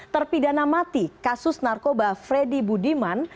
terpidana mati kasus narkoba freddy budiman